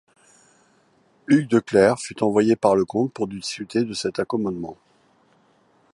Hugues de Cleers fut envoyé par le comte pour discuter de cet accomodement.